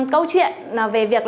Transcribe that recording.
câu chuyện về việc